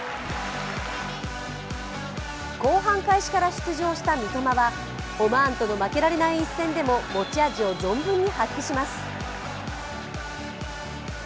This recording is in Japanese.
後半開始から出場した三笘はオマーンとの負けられない一戦でも、持ち味を存分に発揮します。